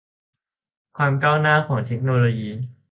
ความก้าวหน้าของเทคโนโลยี